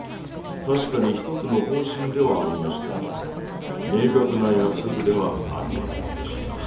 確かに１つの方針ではありましたが明確な約束ではありませんでした。